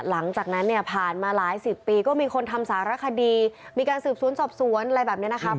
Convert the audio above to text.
หลังจากนั้นเนี่ยผ่านมาหลายสิบปีก็มีคนทำสารคดีมีการสืบสวนสอบสวนอะไรแบบนี้นะครับ